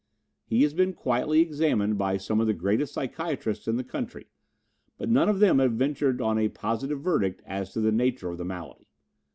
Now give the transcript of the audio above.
He has been quietly examined by some of the greatest psychiatrists in the country, but none of them have ventured on a positive verdict as to the nature of the malady.